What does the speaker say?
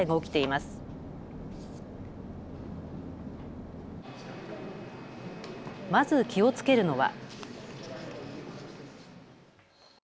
まず気をつけるのは。